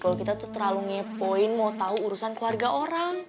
kalau kita tuh terlalu ngepoin mau tahu urusan keluarga orang